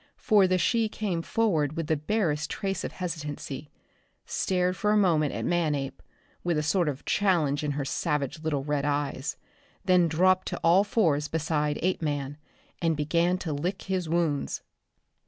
For the she came forward with the barest trace of hesitancy, stared for a moment at Manape, with a sort of challenge in her savage little red eyes, then dropped to all fours beside Apeman and began to lick his wounds!